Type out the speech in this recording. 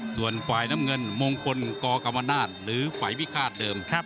ส่วนฝ่ายน้ำเงินมงคลกกรรมนาศหรือฝ่ายพิฆาตเดิม